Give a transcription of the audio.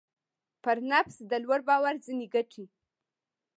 پر نفس د لوړ باور ځينې ګټې.